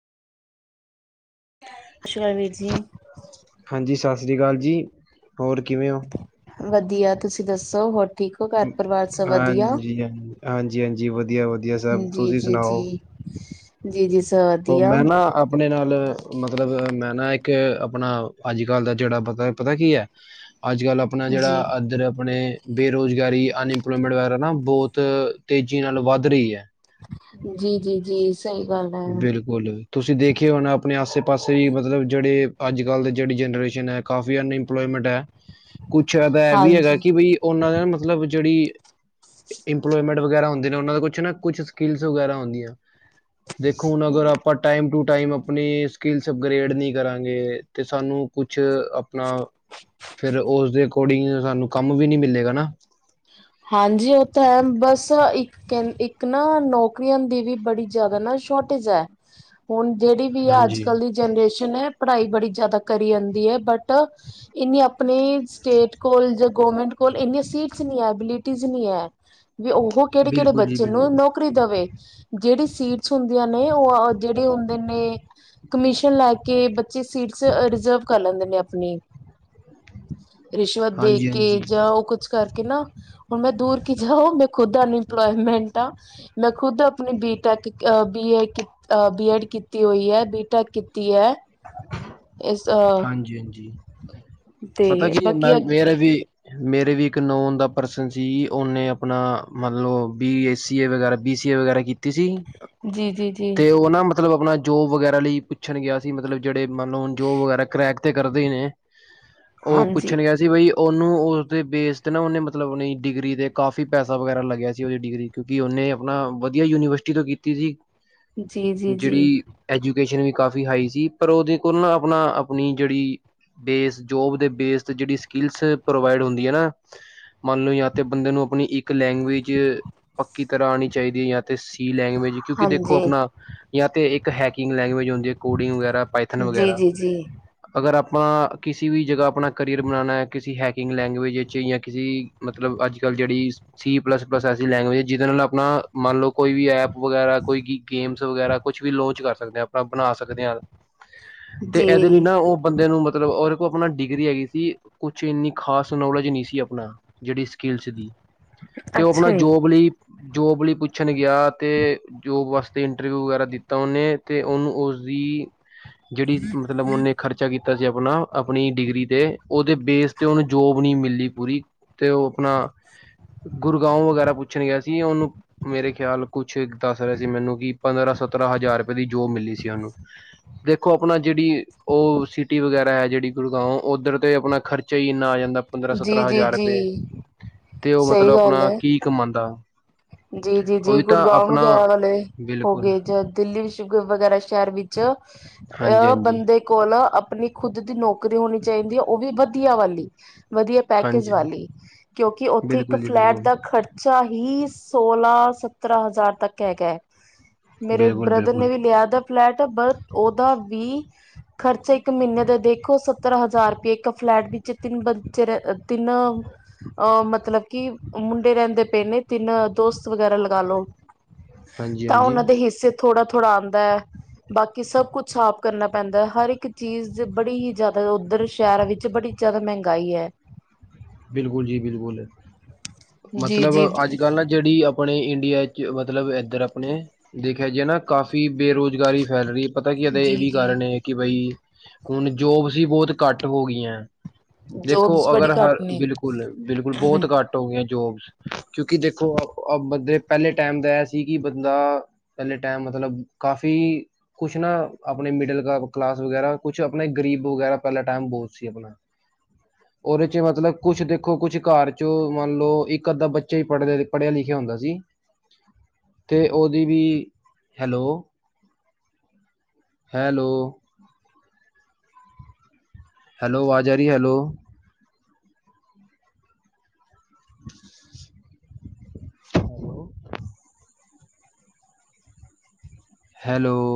ਸਤਿ ਸ਼੍ਰੀ ਅਕਾਲ ਵੀਰ ਜੀ। ਹਾਂਜੀ ਸਤਿ ਸ਼੍ਰੀ ਅਕਾਲ ਜੀ, ਹੋਰ ਕਿਵੇਂ ਹੋ? ਵਧੀਆ ਤੁਸੀਂ ਦੱਸੋ ਹੋ ਠੀਕ ਘਰ ਪਰਿਵਾਰ ਸਭ ਵਧੀਆ ਹਾਂਜੀ, ਹਾਂਜੀ, ਹਾਂਜੀ ਵਧੀਆ- ਵਧੀਆ ਸਭ ਤੁਸੀਂ ਸੁਣਾਓ? [inaudible] ਜੀ-ਜੀ ਸਰ ਓਹ ਮੈਂ ਨਾ ਆਪਣੇ ਨਾਲ ਮਤਲਬ ਮੈਂ ਨਾ ਇੱਕ ਆਪਣਾ, ਅੱਜ- ਕੱਲ ਦਾ ਜਿਹੜਾ ਪਤਾ-ਪਤਾ ਕੀ ਹੈ। ਅਜ ਕੱਲ੍ਹ ਆਪਣਾ ਜੇਹੜਾ ਜੀ ਐਧਰ ਆਪਣੇ ਬੇਰੁਜ਼ਗਾਰੀ, ਅਨਇੰਪਲੋਇਮੈਂਟ ਵਗੈਰਾ ਨਾ ਬਹੁਤ ਤੇਜ਼ੀ ਨਾਲ ਵੱਧ ਰਹੀ ਹੈ। ਜੀ, ਜੀ ਜੀ ਸਹੀ ਗੱਲ ਹੈ। ਬੋਲੋ, ਤੁਸੀਂ ਦੇਖਿਆ ਹੋਨਾ, ਆਪਣੇ ਆਸੇ ਪਾਸੇ ਵੀ ਮਤਲਬ ਜਿਹੜੇ ਅੱਜ ਕੱਲ ਦੇ ਜਿਹੜੀ ਜਨਰੇਸ਼ਨ, ਹੈ। ਕਾਫੀ ਅਨਇੰਪਲੋਇਮੈਂਟ ਹੈ, ਕੁੱਛਦਾ ਇਹ ਵੀ ਹੈਗਾ ਹਾਂਜੀ ਕਿ, ਬਈ ਉਹਨਾਂ ਨੇ ਨਾ ਮਤਲਬ ਜਿਹੜੀ ਇੰਪਲੋਇਮੈਂਟ ਵਗੈਰਾ ਹੁੰਦੀਨੇ ਉਹਨਾਂ ਦੇ ਕੁਛ ਨਾ ਕੁਛ ਸਕਿਲਸ ਵਗੈਰਾ, ਹੁੰਦੀਆਂ ਦੇਖੋ, ਹੁਣ ਅਗਰ ਆਪਾਂ, ਟਾਈਮ ਟੂ ਟਾਈਮ ਆਪਣੀ, ਸਕਿਲਸ ਅਪਗ੍ਰੇਡ ਨਹੀਂ ਕਰਾਂਗੇ, ਤੇ ਸਾਨੂੰ ਕੁਛ ਆਪਣਾ ਫਿਰ ਉਸਦੇ ਅਕੋਡਿੰਗ ਸਾਨੂੰ ਕੰਮ ਵੀ ਨਈ ਮਿਲੇਗਾ ਨਾ ਹਾਂਜੀ, ਉਹ ਤਾਂ ਹੈ ਬਸ ਇੱਕ ਕਹਦੇ ਇੱਕ ਨਾ, ਨੌਕਰੀਆਂ ਦੀ ਵੀ ਬੜੀ ਜ਼ਿਆਦਾ ਨਾ ਸ਼ੋਰਟੇਜ, ਹੈ ਹੁਣ ਜਿਹੜੀ ਵੇ ਅੱਜ ਹਾਂਜੀ ਕੱਲ ਦੀ ਜਨਰੇਸ਼ਨ ਹੈ, ਪੜ੍ਹਾਈ ਬੜੀ ਜ਼ਿਆਦਾ ਕਰੀ ਜਾਂਦੀ ਹੈ, ਬਟ ਇੰਨੀ ਆਪਣੀ ਸਟੇਟ ਕੋਲ, ਜਾਂ ਗੌਰਮੈਂਟ ਕੋਲ ਇੰਨੀਆਂ ਸੀਟਸ ਨਹੀਂ, ਹੈ ਐਵੀ ਕੁਝ ਨਈ ਐ, ਉਹ ਕਿਹੜੇ ਕਿਹੜੇ ਬਿਲਕੁਲ ਜੀ ਬੱਚੇ ਨੇ ਬਿਲਕੁਲ ਨੌਕਰੀ ਸੁੱਟ ਦੇਵੇ, ਜਿਹੜੀ ਸੀਟਸ ਹੁੰਦੀਆਂ ਨੇ, ਉਹ ਜਿਹੜੇ ਹੁੰਦੇ ਨੇ ਕਮਿਸ਼ਨ ਲੈ ਕੇ, ਬੱਚੇ ਸੀਟਸ ਰਿਜ਼ਰਵ ਕਰ ਲੈਂਦੇ ਨੇ, ਆਪਣੀ ਰਿਸ਼ਵਤ ਦੇ ਹਾਂਜੀ ਕੇ, ਹਾਂਜੀ ਜਾਂ ਉਹ ਕੁਛ ਕਰਕੇ, ਨਾ ਹੁਣ ਮੈਂ ਦੂਰ ਕੀ ਜਾਓਂ, ਮੈਂ ਖੁਦ ਅਨਇਮਪਲਾਇਮੈਂਟ ਆਂ ਮੈਂ ਖੁਦ ਆਪਣੀ, ਬੀਟੈਕ, ਬੀਏ ਕੀਤੀ ਬੀ, ਐਡ ਕੀਤੀ ਹੋਈ ਹੈ, ਬੀ, ਟੈਕ ਕੀਤੀ ਐ ਹਾਂਜੀ-ਹਾਂਜੀ ਪਤਾ ਤੇ ਕੀ ਮੈਂ ਬਾਕੀ ਅੱਗੇ ਮੇਰੇ, ਵੀ ਮੇਰੇ ਵੀ, ਇੱਕ ਨੌਨ ਦਾ ਪਰਸਨ ਸੀ, ਉਹਨੇ ਆਪਣਾ ਮਤਲਬ ਬੀ, ਐਸ, ਸੀ ਵਗੈਰਾ ਬੀ, ਸੀਏ, ਵਗੈਰਾ ਕੀਤੀ ਸੀ, ਜੀ ਜੀ ਜੀ ਤੇ ਉਹ ਨਾ ਮਤਲਬ ਆਪਣਾ ਜੋਬ ਵਗੈਰਾ, ਲਈ ਪੁੱਛਣ ਗਿਆ ਸੀ। ਮਤਲਬ ਜਿਹੜੇ ਮੰਨ ਲ ਜੋ ਵਗੈਰਾ ਕਰੈਕ ਤੇ ਕਰਦੇ ਨੇ, ਉਹ ਹਾਂਜੀ ਪੁੱਛਣ ਗਿਆ ਜੀ ਬਈ ਉਹਨੂੰ ਉਹਦੇ ਬੇਸ 'ਤੇ ਨਾ ਉਹਨੇ ਮਤਲਬ, ਉਹ ਡਿਗਰੀ 'ਤੇ ਕਾਫੀ ਪੈਸਾ, ਵਗੈਰਾ ਲੱਗਿਆ ਸੀ। ਉਹਦੀ ਡਿਗਰੀ ਕਿਉਂਕਿ, ਉਹਨੇ ਆਪਣਾ ਵਧੀਆ ਯੂਨੀਵਰਸਿਟੀ, ਤੋਂ ਕੀਤੀ ਸੀ। ਜੀ ਜੀ ਜੀ ਜਿਹੜੀ ਐਜੂਕੇਸ਼ਨ ਵੀ, ਕਾਫੀ ਹਾਈ ਸੀ। ਪਰ ਉਹਦੇ ਕੋਲ ਨਾ, ਆਪਣਾ ਆਪਣੀ ਜਿਹੜੀ ਬੇਸ ਜੋਬ ਦੇ ਬੇਸ ਜਿਹੜੀ ਸਕਿੱਲਸ ਪ੍ਰੋਵਾਈਡ ਹੁੰਦੀ ਹੈ ਨਾ ਮੰਨ ਲਓ ਜਾਂ ਤੇ ਬੰਦੇ ਨੂੰ ਆਪਣੀ ਇੱਕ ਲੈਂਗੁਏਜ ਪੱਕੀ ਤਰ੍ਹਾਂ ਆਉਣੀ ਚਾਹੀਦੀ ਹੈ। ਜਾਂ ਤੇ ਸੀ ਲੈਂਗੁਏਜ ਕਿਉਂਕਿ ਦੇਖੋ ਹਾਂਜੀ ਆਪਣਾ ਜਾਂ ਤੇ ਇੱਕ ਹੈਕਿੰਗ ਲੈਂਗੁਏਜ ਹੁੰਦੀ ਹੈ। ਕੂੜਿੰਓ ਵਗੈਰਾ, ਪਾਈਥਨ ਜੀ ਵਗੈਰਾ ਜੀ ਜੀ ਅਗਰ ਆਪਣਾ ਕਿਸੀ ਵੀ ਜਗ੍ਹਾ ਆਪਣਾ ਕਰੀਅਰ ਬਣਾਉਣਾ ਕਿਸੀ ਹੈਕਿੰਗ ਲੈਂਗਏਜ ਵਿੱਚ ਜਾਂ ਕਿਸੇ ਮਤਲਬ ਅੱਜ ਕੱਲ੍ਹ ਜਿਹੜੀ ਸੀ ਪਲੱਸ ਪਲ ਐਸੀ ਲੈਂਗੁਏਜ ਜਿਹਦੇ ਨਾਲ ਆਪਣਾ ਮੰਨ ਲਓ ਕੋਈ ਵੀ ਐ ਵਗੈਰਾ ਕੋਈ ਗੇਮਸ ਵਗੈਰਾ ਕੁਛ ਵੀ ਲੋਂਚ ਕਰ ਸਕਦੇ ਹਾਂ ਆਪਣਾ ਬਣਾ ਸਕਦੇ ਹਾਂ। ਤੇ ਇਹਦੇ ਲਈ ਜੀ ਨਾ ਉਹ ਬੰਦੇ ਨੂੰ ਮਤਲਬ ਉਹਦੇ ਕੋਲ ਆਪਣਾ ਡਿਗਰੀ ਹੈਗੀ ਸੀ। ਕੁੱਛ ਇੰਨੀ ਖਾਸ ਨੋਲੇਜ ਨਹੀਂ ਸੀ। ਆਪਣਾ ਜਿਹੜੀ ਸਕਿੱਲਸ ਦੀ ਤੇ ਉਹ ਆਪਣਾ ਅੱਛਾ ਜੋਬ ਲਈ ਜੋਬ ਲਈ ਪੁੱਛਣ ਗਿਆ ਤੇ ਜੋਬ ਵਾਸਤੇ, ਇੰਟਰਵਿਊ ਵਗੈਰਾ ਦਿੱਤਾ ਉਹਨੇ, ਤੇ ਉਹਨੂੰ, ਹੋਰ ਵੀ ਜਿਹੜੀ ਮੱਤਲਬ ਉਹਨੇ, ਖਰਚਾ ਕੀਤਾ ਸੀ ਆਪਣਾ ਆਪਣੀ ਡਿਗਰੀ 'ਤੇ ਉਹਦੇ ਬੇਸ ਤੇ, ਉਹਨੂੰ ਜੋਬ ਨਹੀਂ ਮਿਲੀ ਪੂਰੀ, ਤੇ ਉਹ ਆਪਣਾ ਗੁੜਗਾਉ, ਵਗੈਰਾ ਪੁੱਛਣ ਗਿਆ ਸੀ। ਉਹਨੂੰ ਮੇਰੇ ਖਿਆਲ, ਕੁਛ ਦੱਸ ਰਹੇ ਸੀ। ਮੈਨੂੰ ਕਿ ਪੰਦਰਾਂ, ਸੱਤਰਾਂ ਹਜ਼ਾਰ ਰੁਪਏ ਦੀ, ਜੋਬ ਮਿਲੀ ਸੀ। ਉਹਨੂੰ ਦੇਖੋ, ਆਪਣਾ ਜਿਹੜੀ, ਉਹ ਸਿਟੀ ਵਗੈਰਾ, ਜਿਹੜੀ ਗੁੜਗਾਉ ਉੱਧਰ ਤੇ ਆਪਣਾ ਖਰਚਾ ਹੀ ਇੰਨਾ ਆ, ਜਾਂਦਾ ਪੰਦਰਾਂ ਜੀ ਜੀ ਸੱਤਰਾਂ ਜੀ ਹਜ਼ਾਰ ਰੁਪਏ, ਜੀ ਤੇ ਉਹ ਸਹੀ ਮਤਲਬ ਗੱਲ ਆਪਣਾ ਹੈ ਕੀ, ਕਮਾਉਂਦਾ ਜੀ ਜੀ ਜੀ, ਉਹੀ ਤਾਂ ਗੁੜਗਾਉਂ ਆਪਣਾ ਵਗੈਰਾ ਵਾਲੇ ਹੋ ਬਿਲਕੁਲ ਗਏ, ਜਾ ਦਿੱਲੀ ਸ਼ੁਗਰ ਵਗੈਰਾ ਸ਼ਹਿਰ ਵਿੱਚ ਚ ਹਾਂਜੀ ਅਹ, ਹਾਂਜੀ ਬੰਦੇ ਕੋਲ ਆਪਣੀ ਖੁੱਦ ਦੀ ਨੌਕਰੀ ਹੋਣੀ ਚਾਹੀਦੀ ਹੈ। ਉਹ ਵੀ ਵਧੀਆ ਵਾਲੀ ਵਧੀਆ ਪੈਕੇਜ ਹਾਂਜੀ ਹਾਂਜੀ, ਵਾਲੀ, ਕਿਉਂਕਿ ਉੱਥੇ ਇੱਕ ਬਿਲਕੁਲ ਜੀ ਫਲੈਟ ਬਿਲਕੁਲ ਦਾ ਖਰਚਾ, ਹੀ ਸੋਲਾਂ, ਸਤਰਾਂ ਹਜ਼ਾਰ, ਤੱਕ ਹੈਗਾ ਮੇਰੇ ਬਿਲਕੁਲ ਬ੍ਰਦਰ ਨੇ ਬਿਲਕੁਲ ਵੀ ਲਿਆ, ਦਾ ਫਲੈਟ ਬ ਦਾ ਉਹਦਾ ਵੀ ਖਰਚਾ ਇੱਕ ਮਹੀਨੇ ਦਾ ਦੇਖੋ ਸ ਸੱਤਰ ਹਜ਼ਾਰ ਰੁਪਏ ਇੱਕ ਫਲੈਟ ਵਿੱਚ ਤਿੰਨ ਬੱਚੇ ਤਿੰਨ ਅਹ ਮਤਲਬ ਕਿ ਮੁੰਡੇ ਰਹਿੰਦੇ ਪਏ ਨੇ ਤਿੰਨ ਦੋਸਤ ਵਗੈਰਾ ਲਗਾ ਲਓ, ਹਾਂਜੀ ਤਾਂ ਹਾਂਜੀ ਉਹਨਾਂ ਦੇ ਹਿੱਸੇ। ਥੋੜ੍ਹਾ ਥੋੜਾ ਆਉਂਦਾ ਹੈ ਬਾਕੀ ਸਭ ਕੁੱਛ ਸਾਫ਼ ਕਰਨਾ ਪੈਂਦਾ ਹੈ ਹਰ ਇੱਕ ਚੀਜ਼ ਬੜੀ ਹੀ ਜ਼ਿਆਦਾ। ਉੱਧਰ ਸ਼ਹਿਰਾਂ ਵਿੱਚ ਬੜੀ ਜ਼ਿਆਦਾ ਮਹਿੰਗਾਈ ਹੈ। ਬਿਲਕੁਲ ਜੀ ਬਿਲਕੁਲ, ਮਤਲਬ ਜੀ-ਜੀ, ਅੱਜ ਕੱਲ੍ਹ ਨਾ। ਜਿਹੜੀ ਆਪਣੇ ਇੰਡੀਆ ', ਮਤਲਬ ਇੱਧਰ ਆਪਣੇ। ਦੇਖਿਆ ਜੀ ਨਾ ਕਾਫ਼ੀ ਬੇਰੁਜ਼ਗਾਰੀ ਫੈਲ ਰਹੀ ਹੈ। ਪਤਾ ਕੀ ਇਹਦੇ ਇਹ ਵੀ ਜੀ-ਜੀ ਕਾਰਨ ਹੈ ਕਿ ਬਈ ਹੁਣ ਜੋਬਸ ਹੀ ਬਹੁਤ ਘੱਟ ਹੋ ਗਈਆਂ। ਦੇਖੋ ਜੋਬਸ ਬੜੀ ਅਗਰ ਹ ਘੱਟ ਨੇ। ਬਿਲਕੁਲ ਬਿਲਕੁਲ ਬਹੁਤ ਘੱਟ। ਹੋ ਗਈਆ ਜੋਬਸ, ਕਿਉਂਕਿ ਦੇਖੋ ਬੰਦੇ ਪਹਿਲੇ ਟਾਈਮ ਦਾ ਇਹ ਸੀ ਕਿ ਬੰਦਾ। ਪਹਿਲੇ ਟਾਈਮ ਮਤਲਬ ਕਾਫ਼ੀ। ਕੁਛ ਨਾ ਆਪਣੇ ਮਿਡਲ ਕਲਾਸ ਵਗੈਰਾ ਕੁਛ ਆਪਣੇ ਗਰੀਬ ਵਗੈਰਾ ਪਹਿਲਾ ਟਾਈਮ ਬਹੁਤ ਸੀ ਆਪਣਾ। ਉਹਦੇ ਚ ਮਤਲਬ। ਕੁਛ ਦੇਖੋ ਕੁਛ ਘਰ ਚ ਮੰਨ ਲਓ ਇੱਕ ਅੱਧਾ ਬੱਚਾ ਹੀ ਪੜ੍ਹ ਪੜ੍ਹਿਆ ਲਿਖਿਆ ਹੁੰਦਾ ਸੀ। ਅਤੇ ਉਹਦੀ ਵੀ, ਹੈਲੋ। ਹੈਲੋ। ਹੈਲੋ ਆਵਾਜ ਆਰੀ, ਹੈਲੋ। ਹੈਲੋ। ਹੈਲੋ।